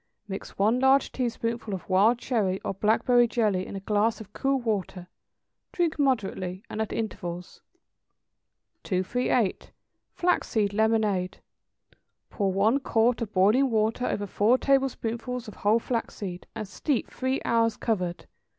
= Mix one large teaspoonful of wild cherry or blackberry jelly in a glass of cool water; drink moderately, and at intervals. 238. =Flaxseed Lemonade.= Pour one quart of boiling water over four tablespoonfuls of whole flaxseed, and steep three hours covered.